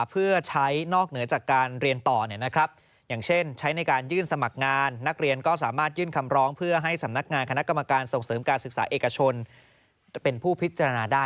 เพื่อใช้ในการศึกษาต่อ